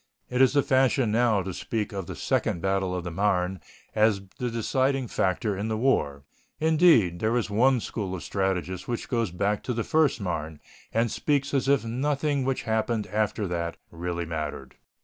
It is the fashion now to speak of the second battle of the Marne as the deciding factor in the war. Indeed, there is one school of strategists which goes back to the first Marne, and speaks as if nothing which happened after that really mattered.